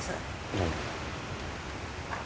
どうも。